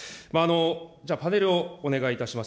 じゃあ、パネルをお願いいたします。